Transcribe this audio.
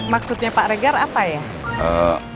maksudnya pak regar apa ya